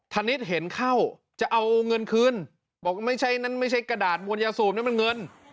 ธนิษฐ์เห็นเข้าจะเอาเงินคืนบอกไม่ใช่นั่นไม่ใช่กระดาษมวลยาสูบนั้นมันเงิน